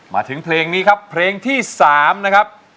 มาถึงเพลงนี้ครับเพลงที่๓นะครับ